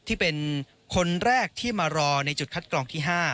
ที่เป็นคนแรกที่มารอในจุดคัดกรองที่๕